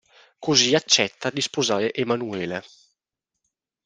Così accetta di sposare Emanuele.